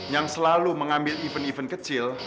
yang selalu mengambil event event kecil